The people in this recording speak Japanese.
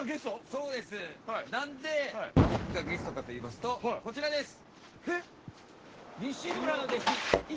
そうです何で僕がゲストかといいますとこちらです。